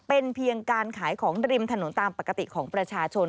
เป็นเพียงการขายของริมถนนตามปกติของประชาชน